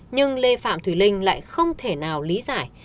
nhưng lễ phạm thủy linh lại không thể nào lý giải